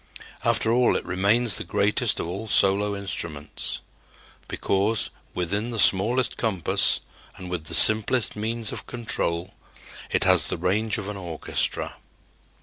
After all, it remains the greatest of all solo instruments, because, within the smallest compass and with the simplest means of control, it has the range of an orchestra.